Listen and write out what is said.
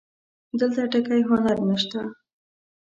دلته ټکی هنر نه شته